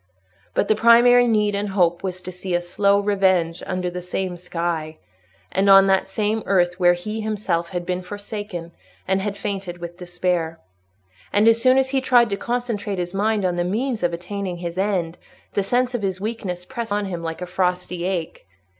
But the primary need and hope was to see a slow revenge under the same sky and on the same earth where he himself had been forsaken and had fainted with despair. And as soon as he tried to concentrate his mind on the means of attaining his end, the sense of his weakness pressed upon him like a frosty ache.